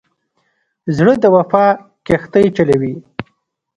زړه د وفا کښتۍ چلوي.